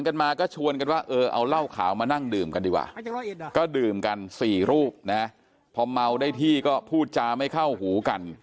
ก็ดื่มกันสี่รูปนะพอเมาได้ที่ก็พูดจาไม่เข้าหูกัน